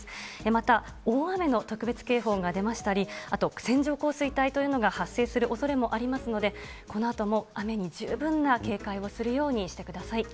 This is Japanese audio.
また、大雨の特別警報が出ましたり、あと線状降水帯というのが発生するおそれもありますので、このあとも雨に十分な警戒をするようにしてください。